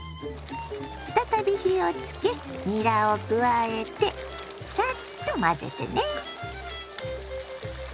再び火をつけにらを加えてサッと混ぜてね。